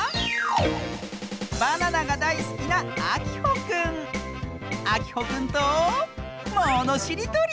バナナがだいすきなあきほくんとものしりとり！